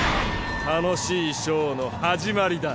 楽しいショーの始まりだ。